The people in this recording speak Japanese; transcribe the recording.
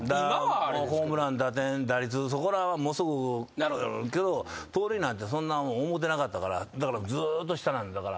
ホームラン打点打率そこらはものすごいけど盗塁なんてそんなもん思うてなかったからだからずっと下なんです。